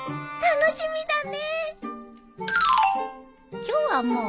楽しみだね。